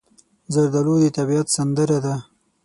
زردالو د طبیعت سندره ده.